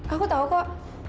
aku tau kok